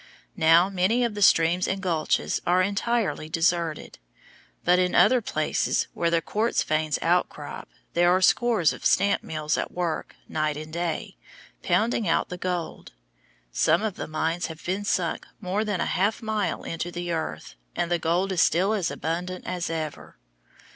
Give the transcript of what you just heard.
Now many of the streams and gulches are entirely deserted. But in other places, where the quartz veins outcrop, there are scores of stamp mills at work, night and day, pounding out the gold. Some of the mines have been sunk more than a half mile into the earth, and the gold is still as abundant as ever.